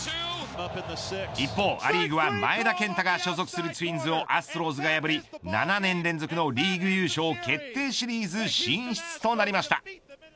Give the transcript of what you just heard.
一方、ア・リーグは前田健太が所属するツインズをアストロズが破り、７年連続のリーグ優勝決定シリーズ進出となりました。